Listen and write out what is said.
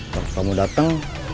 terus kamu datang